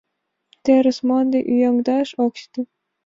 Терыс мланде ӱяҥдаш ок сите.